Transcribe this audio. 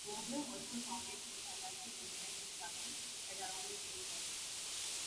Vogler also founded the Alaskan Independence Party at around the same time.